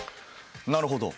なるほど。